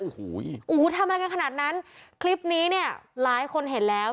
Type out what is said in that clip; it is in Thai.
โอ้โหทำอะไรกันขนาดนั้นคลิปนี้เนี่ยหลายคนเห็นแล้ว